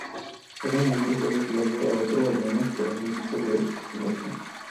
Cada nivel está vinculado a otro al menos por algún tipo de relación.